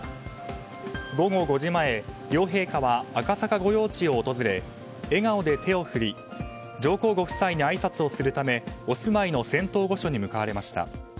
午後５時前両陛下は赤坂御用地を訪れ笑顔で手を振り上皇ご夫妻にあいさつをするためお住まいの仙洞御所に向かわれました。